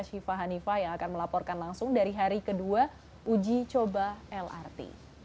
siva hanifa yang akan melaporkan langsung dari hari kedua uji coba lrt